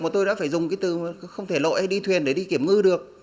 mà tôi đã phải dùng cái từ không thể lội đi thuyền để đi kiểm ngư được